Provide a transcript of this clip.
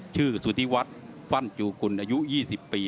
สุธิวัฒน์ฟั่นจูกุลอายุ๒๐ปี